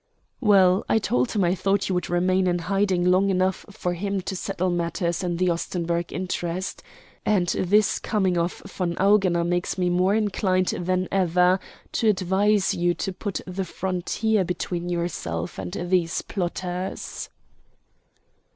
"Well, I told him I thought you would remain in hiding long enough for him to settle matters in the Ostenburg interest. And this coming of von Augener makes me more inclined than ever to advise you to put the frontier between yourself and these plotters."